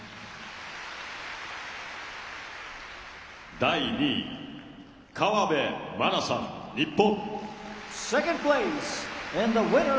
第２位河辺愛菜さん、日本。